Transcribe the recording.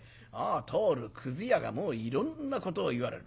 通るくず屋がいろんなことを言われる。